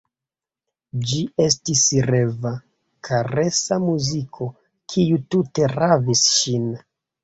Ĝi estis reva, karesa muziko, kiu tute ravis ŝin.